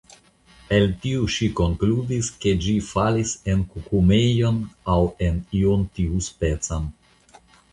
El tio ŝi konkludis ke ĝi falis en kukumejon, aŭ en ion tiuspecan.